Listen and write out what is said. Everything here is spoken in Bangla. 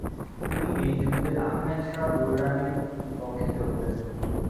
তিনি এই যুদ্ধে আহমেদ শাহ দুররানির পক্ষে যোগ দেন।